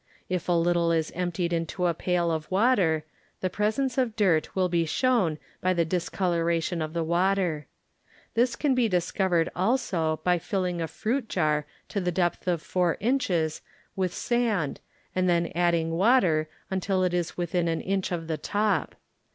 If a little is emptied into a pail of water, the presence of dirt will be shown by the discoloration of the water. This can 'be discovered also by filling a fruit jar to the depth of 4 inches with sand ┬╗pd then adding water until it i* within an inch of the top.